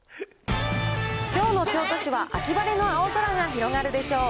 きょうの京都市は秋晴れの青空が広がるでしょう。